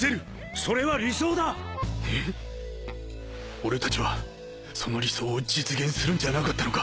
俺たちはその理想を実現するんじゃなかったのか？